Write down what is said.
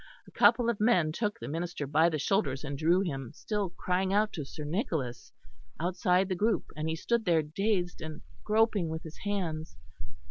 A couple of men took the minister by the shoulders and drew him, still crying out to Sir Nicholas, outside the group; and he stood there dazed and groping with his hands.